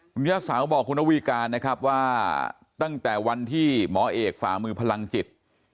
คุณย่าสาวบอกคุณนวีการนะครับว่าตั้งแต่วันที่หมอเอกฝ่ามือพลังจิต